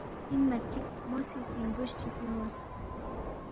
اِنما چِک مو سی سنِنگبُوس چی فیُونگس